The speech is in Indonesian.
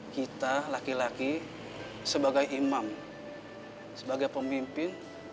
kita laki laki sebagai imam sebagai pemimpin